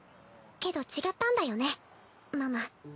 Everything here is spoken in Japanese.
けど違ったんだよねママ。